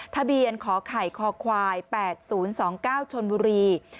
ทะเบียนขอไข่คควาย๘๐๒๙ชนบุรี